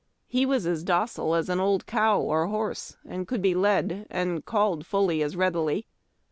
He was as docile as an old cow or horse, and could be led or called fully as readily.